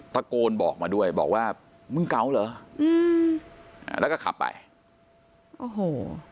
ตะโกนบอกมาด้วยบอกว่ามึงเก๋าเหรออืมอ่าแล้วก็ขับไปโอ้โห